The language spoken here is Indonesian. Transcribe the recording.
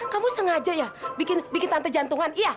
kamu sengaja ya bikin tante jantungan iya